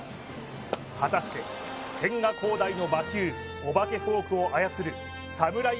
果たして千賀滉大の魔球お化けフォークを操るサムライ